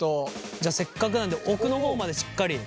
じゃあせっかくなんで奥の方までしっかり。